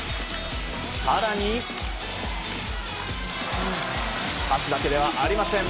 更に、パスだけではありません。